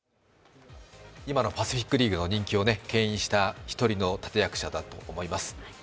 今のパシフィックリーグの人気を牽引した一人の立役者だと思います。